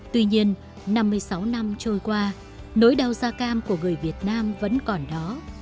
tuy nhiên năm mươi sáu năm trôi qua nỗi đau da cam của người việt nam vẫn còn đó